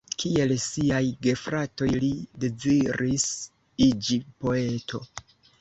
Kiel siaj gefratoj, li deziris iĝi poeto.